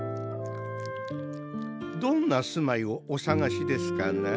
どんな住まいをお探しですかな？